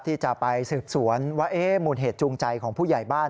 ที่จะไปสืบสวนว่ามูลเหตุจูงใจของผู้ใหญ่บ้าน